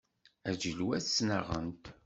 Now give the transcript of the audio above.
Aǧilewwas ttnaɣent.